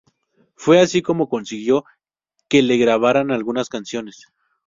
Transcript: Fue así como consiguió que le grabaran algunas canciones.